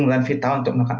wajar gue doang